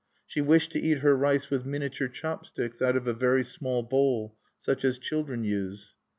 She wished to eat her rice with miniature chop sticks out of a very small bowl such as children use.